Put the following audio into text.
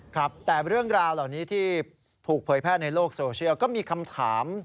ครับแต่เรื่องราวเหล่านี้ที่ถูกเผยแพร่ในโลกโซเชียลก็มีคำถาม